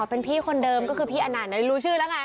เป็นพี่คนเดิมก็คือพี่อนันต์รู้ชื่อแล้วไง